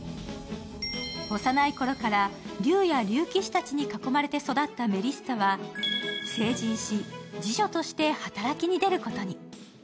幼いころから竜や竜騎士たちに囲まれた育ったメリッサは成人し、侍女として働きに出ることに。